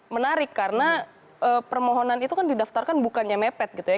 menarik karena permohonan itu kan didaftarkan bukannya mepet gitu ya